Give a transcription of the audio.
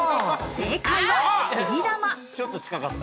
正解は杉玉。